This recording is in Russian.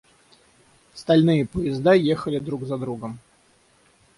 Стальные поезда ехали друг за другом.